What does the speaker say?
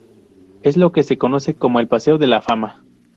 Es lo que se conoce como el paseo de la fama.